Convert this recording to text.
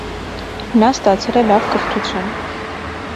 Նա ստացել է լավ կրթություն։